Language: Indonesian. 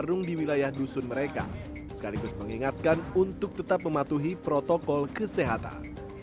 untuk tetap mematuhi protokol kesehatan